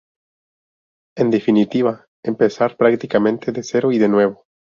En definitiva, empezar prácticamente de cero y de nuevo.